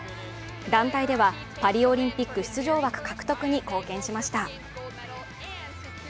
団体ではパリオリンピック出場枠獲得に貢献しました。